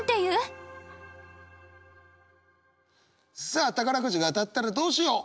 さあ宝くじが当たったらどうしよう？